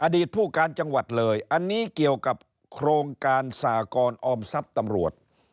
ผู้การจังหวัดเลยอันนี้เกี่ยวกับโครงการสากรออมทรัพย์ตำรวจ